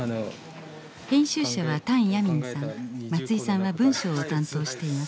編集者は唐亜明さん松居さんは文章を担当しています。